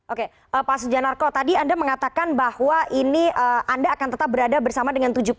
oke pak sujanarko tadi anda mengatakan bahwa ini anda akan tetap berada bersama dengan tujuh puluh lima